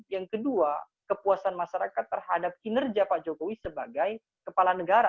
yang kedua kepuasan masyarakat terhadap kinerja pak jokowi sebagai kepala negara